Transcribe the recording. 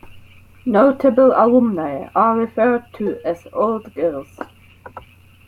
Notable alumnae are referred to as Old Girls.